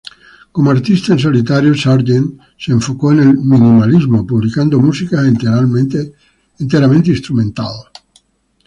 Como artista en solitario, Sergeant se enfocó en el minimalismo, publicando música enteramente instrumental.